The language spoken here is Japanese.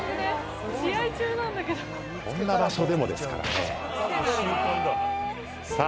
こんな場所でもですからねさあ